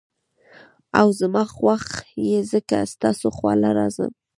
او زما خوښ ئې ځکه ستا خواله راځم ـ